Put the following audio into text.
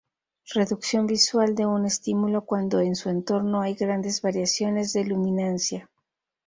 Reducción visual de un estímulo cuando en su entorno hay grandes variaciones de luminancia.